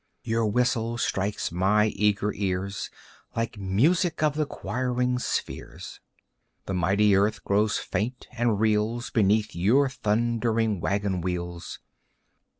Your whistle strikes my eager ears Like music of the choiring spheres. The mighty earth grows faint and reels Beneath your thundering wagon wheels.